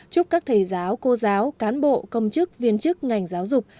chúc các thầy giáo cô giáo cán bộ công chức viên chức ngành giáo dục